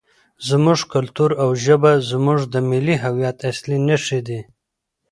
زموږ کلتور او ژبه زموږ د ملي هویت اصلي نښې دي.